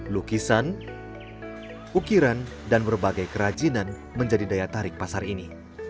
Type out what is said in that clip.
lukisan ukiran dan berbagai kerajinan menjadi daya tarik pasar ini